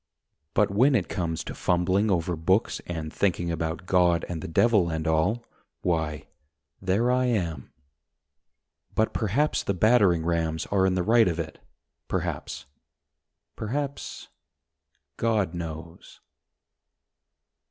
But when it comes to fumbling over books And thinking about God and the Devil and all, Why, there I am. But perhaps the battering rams are in the right of it, Perhaps, perhaps ... God knows.